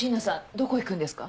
どこ行くんですか？